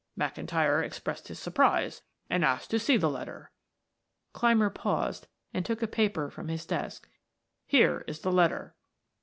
McIntyre expressed his surprise and asked to see the letter" Clymer paused and took a paper from his desk. "Here is the letter."